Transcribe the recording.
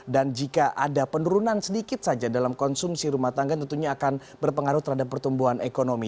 dan jika ada penurunan sedikit saja dalam konsumsi rumah tangga tentunya akan berpengaruh terhadap pertumbuhan ekonomi